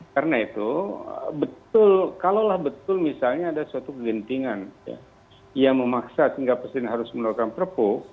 kalau betul kalau lah betul misalnya ada suatu kegentilan yang memaksa sehingga presiden harus mengeluarkan perpu